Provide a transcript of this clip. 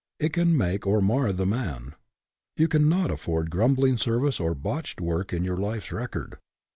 It can make or mar the man. You cannot afford grumbling service or botched work in your life's record.